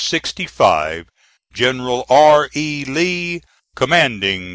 GENERAL R. E. LEE, Commanding C.